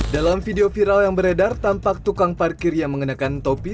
dalam video viral yang beredar tampak tukang parkir yang mengenakan topi